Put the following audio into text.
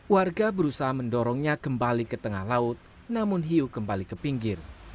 warga berusaha mendorongnya kembali ke tengah laut namun hiu kembali ke pinggir